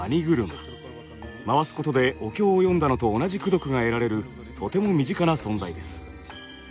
回す事でお経を読んだのと同じ功徳が得られるとても身近な存在です。